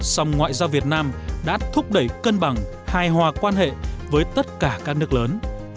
song ngoại giao việt nam đã thúc đẩy cân bằng hài hòa quan hệ với tất cả các nước lớn